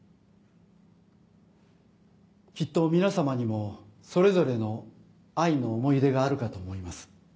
きっと皆さまにもそれぞれの愛の思い出があるかと思います。